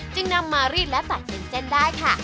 จึงนำมารีดและตัดเป็นเส้นได้ค่ะ